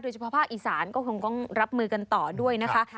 เฉพาะภาคอีสานก็คงต้องรับมือกันต่อด้วยนะคะ